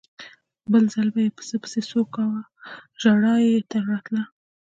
بل ځل به یې پسه پسې څو کاوه ژړا یې راتله.